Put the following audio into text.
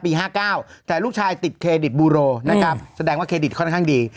๕๙แต่ลูกชายติดเครดิตบูโรนะครับแสดงว่าเครดิตค่อนข้างดี